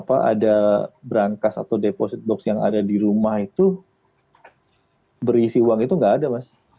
ada berangkas atau deposit box yang ada di rumah itu berisi uang itu nggak ada mas